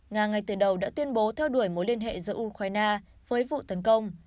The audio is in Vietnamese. nga ngay từ đầu đã tuyên bố theo đuổi mối liên hệ giữa ukraine với vụ tấn công